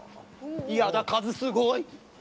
いやだ、数すごい。